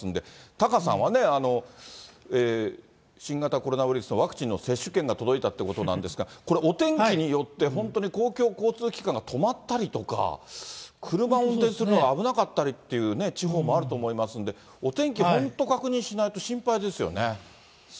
タカさんはね、新型コロナウイルスのワクチンの接種券が届いたっていうことなんですが、これ、お天気によって本当に公共交通機関が止まったりとか、車を運転するのが危なかったりという地方もあると思いますんで、お天気、本当に確認しないと心配ですよね。